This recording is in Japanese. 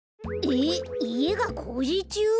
えっいえがこうじちゅう？